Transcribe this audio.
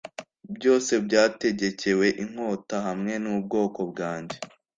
byose byategekewe inkota hamwe n’ubwoko bwanjye